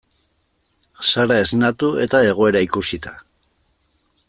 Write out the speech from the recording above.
Sara esnatu eta egoera ikusita.